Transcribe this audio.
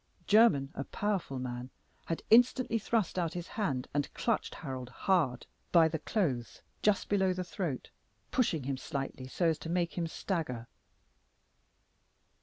Jermyn, a powerful man, had instantly thrust out his hand and clutched Harold hard by the clothes just below the throat, pushing him slightly so as to make him stagger.